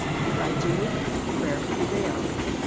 If I do, prayer pre vails.